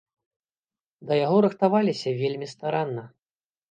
Да яго рыхтаваліся вельмі старанна.